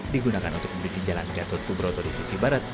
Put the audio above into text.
digunakan untuk memiliki jalan gatot subroto di sisi barat